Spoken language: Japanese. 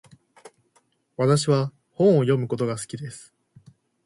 私は本を読むことが好きです。